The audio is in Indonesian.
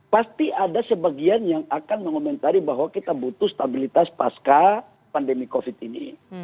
pasti ada sebagian yang akan mengomentari bahwa kita butuh stabilitas pasca pandemi covid ini